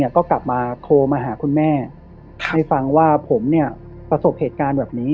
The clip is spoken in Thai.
อย่างเงี้ยก็กลับมาโทรมาหาคุณแม่ในฟังว่าผมเนี้ยประสบเหตุการณ์แบบนี้